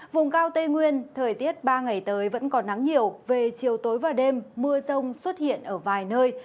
vùng cao tây nguyên thời tiết ba ngày tới vẫn còn nắng nhiều về chiều tối và đêm mưa rông xuất hiện ở vài nơi